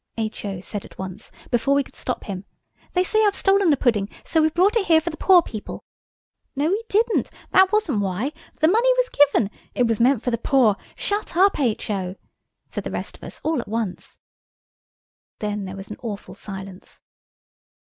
H.O. said at once, before we could stop him, "They say I've stolen the pudding, so we've brought it here for the poor people." "No, we didn't!" "That wasn't why!" "The money was given!" "It was meant for the poor!" "Shut up, H.O.!" said the rest of us all at once. Then there was an awful silence.